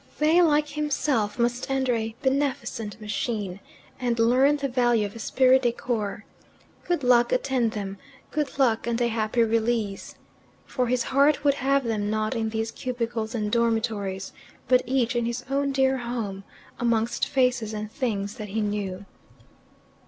They, like himself, must enter a beneficent machine, and learn the value of esprit de corps. Good luck attend them good luck and a happy release. For his heart would have them not in these cubicles and dormitories, but each in his own dear home, amongst faces and things that he knew.